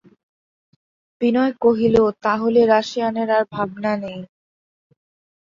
বিনয় কহিল, তা হলে রাশিয়ানের আর ভাবনা নেই।